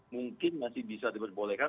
mungkin masih bisa diperbolehkan